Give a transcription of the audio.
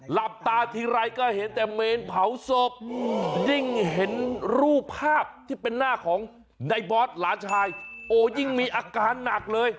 หลับตาทีไรก็เห็นแต่เมนเผาศพยิ่งเห็นรูปภาพที่เป็นหน้าของในบอสหลานชายโอ้ยิ่งมีอาการหนักเลย